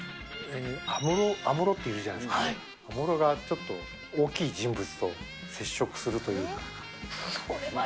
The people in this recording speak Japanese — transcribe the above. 安室っているじゃないですか、安室がちょっと大きい人物と接触するという。